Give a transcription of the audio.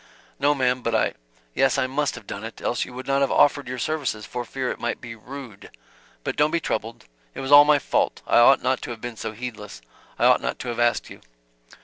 "No ma'm, but I " "Yes, I must have done it, else you would not have offered your services, for fear it might be rude. But don't be troubled it was all my fault. I ought not to have been so heedless I ought not to have asked you."